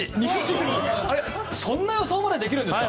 そんな予想までできるんですか？